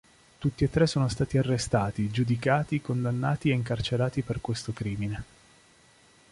Tutti e tre sono stati arrestati, giudicati, condannati e incarcerati per questo crimine.